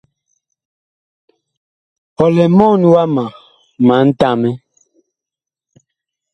Ɔ lɛ mɔɔn wama ma ntamɛ.